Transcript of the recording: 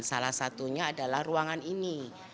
salah satunya adalah ruangan ini